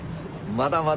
まだまだ。